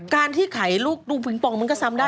การที่ไขลูกดูปิงปองมันก็ซ้ำได้